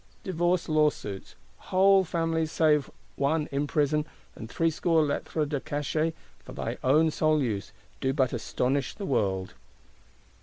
Divorce lawsuits, "whole family save one in prison, and three score Lettres de Cachet" for thy own sole use, do but astonish the world.